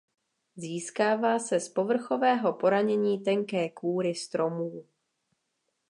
Získává se z povrchového poranění tenké kůry stromů.